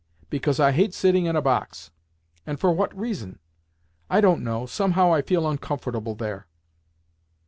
"Because I hate sitting in a box." "And for what reason?" "I don't know. Somehow I feel uncomfortable there."